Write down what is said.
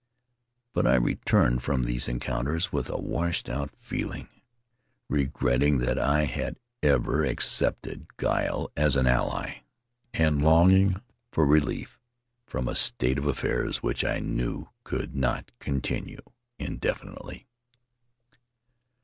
But I returned from these encounters with a washed out feeling, regretting Costly Hospitality that I had ever accepted guile as an ally and longing for relief from a state of affairs which I knew could not continue indefinitely.